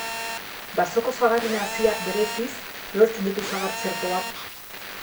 Basoko sagarren haziak bereiziz lortzen ditu sagar txertoak.